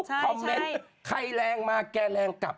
คอมเมนต์ใครแรงมาแกแรงกลับ